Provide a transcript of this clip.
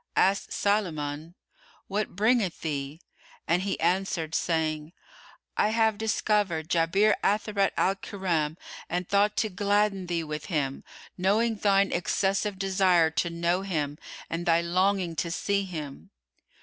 Asked Sulayman, "What bringeth thee?"; and he answered, saying, "I have discovered Jabir Atharat al Kiram and thought to gladden thee with him, knowing thine excessive desire to know him and thy longing to see him."